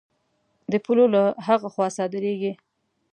د پولو له هغه خوا صادرېږي.